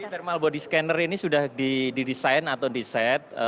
jadi thermal body scanner ini sudah didesain atau diset